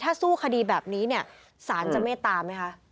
ถ้าสู้คดีแบบนี้เนี่ยสารจะเมตตาไหมคะ